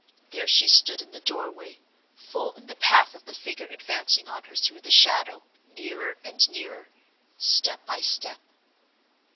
There she stood in the door way, full in the path of the figure advancing on her through the shadow, nearer and nearer, step by step.